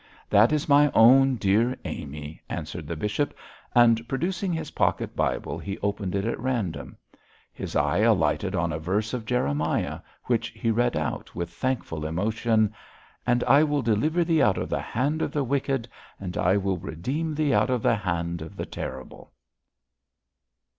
'That is my own dear Amy,' answered the bishop; and producing his pocket Bible, he opened it at random. His eye alighted on a verse of Jeremiah, which he read out with thankful emotion, 'And I will deliver thee out of the hand of the wicked; and I will redeem thee out of the hand of the terrible.'